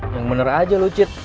yang bener aja lo cit